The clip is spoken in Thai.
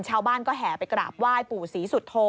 ชาวบ้านก็แห่ไปกราบไหว้ปู่ศรีสุโธ